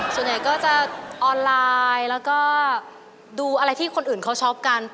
ส่วนใหญ่ก็จะออนไลน์แล้วก็ดูอะไรที่คนอื่นเขาชอบกัน